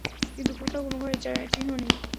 কিন্তু কোথাও কোন ঘরের চিহ্ন নেই।